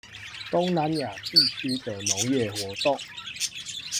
東南亞地區的農業活動